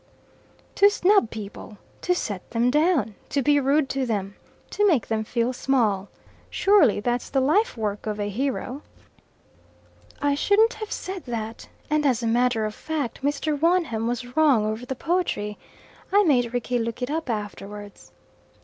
"To snub people! to set them down! to be rude to them! to make them feel small! Surely that's the lifework of a hero?" "I shouldn't have said that. And as a matter of fact Mr. Wonham was wrong over the poetry. I made Rickie look it up afterwards."